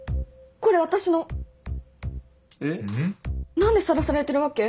何でさらされてるわけ？